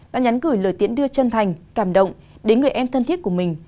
đã nhắn gửi lời tiễn đưa chân thành cảm động đến người em thân thiết của mình